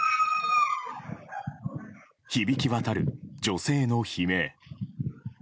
響き渡る女性の悲鳴。